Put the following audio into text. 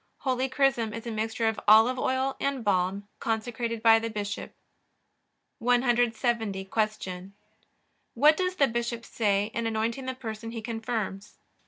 Holy chrism is a mixture of olive oil and balm, consecrated by the bishop. 170. Q. What does the bishop say in anointing the person he confirms?